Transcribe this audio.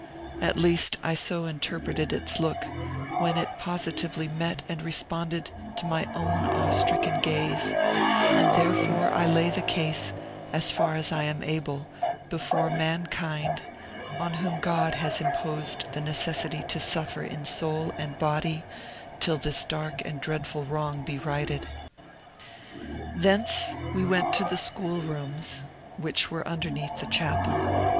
At least, I so interpreted its look, when it positively met and responded to my own awe stricken gaze, and therefore I lay the case, as far as I am able, before mankind, on whom God has imposed the necessity to suffer in soul and body till this dark and dreadful wrong be righted. Thence we went to the school rooms, which were underneath the chapel.